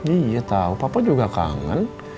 iya tau papa juga kangen